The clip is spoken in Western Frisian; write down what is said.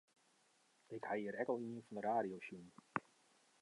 Ik ha hjir ek al ien fan de radio sjoen.